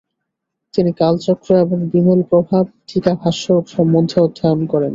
তিনি কালচক্র ও বিমলপ্রভা টীকাভাষ্য সম্বন্ধে অধ্যয়ন করেন।